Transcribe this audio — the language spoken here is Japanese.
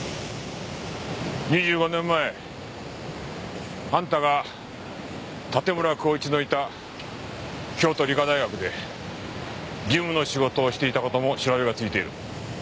２５年前あんたが盾村孝一のいた京都理科大学で事務の仕事をしていた事も調べがついている。